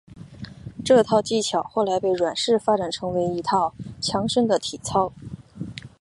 这套技巧后来被阮氏发展成为一套强身的体操。